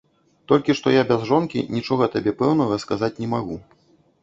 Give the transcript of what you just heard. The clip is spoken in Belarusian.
Толькі што я без жонкі нічога табе пэўнага сказаць не магу.